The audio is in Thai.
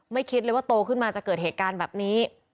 คิดเลยว่าโตขึ้นมาจะเกิดเหตุการณ์แบบนี้